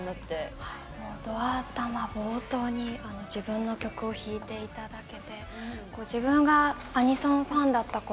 ド頭、冒頭に自分の曲を弾いていただけて自分がアニソンファンだったころ